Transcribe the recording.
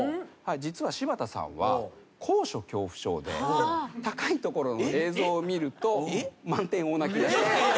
実は柴田さんは高所恐怖症で高いところの映像を見ると満点大泣き出します。